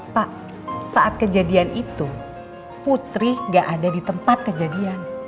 pak saat kejadian itu putri gak ada di tempat kejadian